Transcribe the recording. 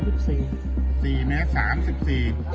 เม้นที่๓เม้น๓๔เม้น๓๔เม้น๓๔